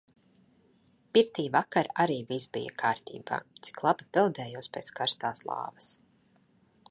Pirtī vakar arī viss bija kārtībā, cik labi peldējos pēc karstās lāvas.